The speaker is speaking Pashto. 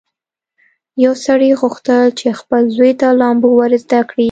یو سړي غوښتل چې خپل زوی ته لامبو ور زده کړي.